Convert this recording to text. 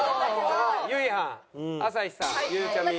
ゆいはん朝日さんゆうちゃみ。